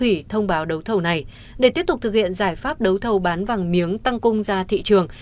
và đấu thầu này để tiếp tục thực hiện giải pháp đấu thầu bán vàng miếng tăng cung ra thị trường